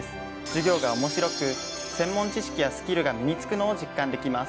授業が面白く専門知識やスキルが身に付くのを実感できます。